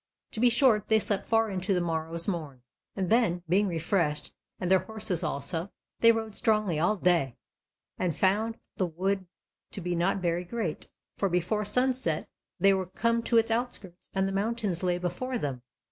To be short, they slept far into the morrow's morn, and then, being refreshed, and their horses also, they rode strongly all day, and found the wood to be not very great; for before sunset they were come to its outskirts, and the mountains lay before them.